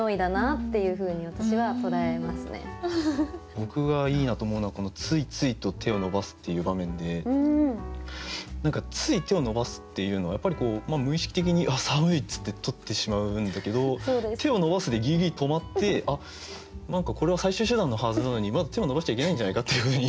僕がいいなと思うのはこのついついと手を伸ばすっていう場面で何かつい手を伸ばすっていうのはやっぱりこう無意識的に「寒い」っつって取ってしまうんだけど手を伸ばすでギリギリ止まって何かこれは最終手段のはずなのにまだ手を伸ばしちゃいけないんじゃないかっていうふうに。